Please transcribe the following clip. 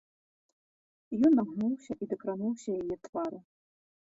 Ён нагнуўся і дакрануўся яе твару.